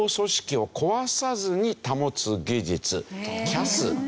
ＣＡＳ。